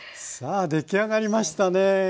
さあ出来上がりましたね。